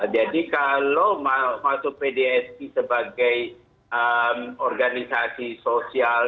jadi kalau masuk pdsi sebagai organisasi sosial